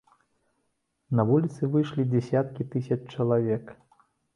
На вуліцы выйшлі дзясяткі тысяч чалавек.